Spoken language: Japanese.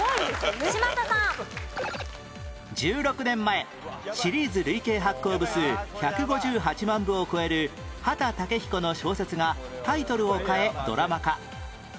１６年前シリーズ累計発行部数１５８万部を超える秦建日子の小説がタイトルを変えドラマ化